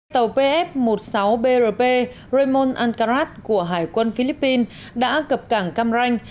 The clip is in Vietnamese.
tàu pf một mươi sáu brp raymond alcaraz của hải quân philippines đã cập cảng cam ranh